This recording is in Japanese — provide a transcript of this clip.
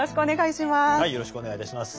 よろしくお願いします。